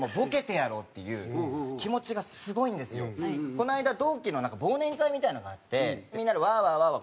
この間同期の忘年会みたいなのがあってみんなでわーわーわーわー